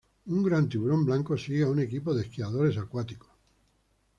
Un gran tiburón blanco sigue a un equipo de esquiadores del agua.